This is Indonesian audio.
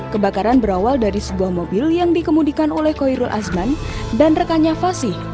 kebakaran berawal dari sebuah mobil yang dikemudikan oleh koirul azman dan rekannya fasih